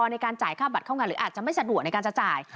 ในการจ่ายค่าบัตรเข้างานหรืออาจจะไม่สะดวกในการจะจ่าย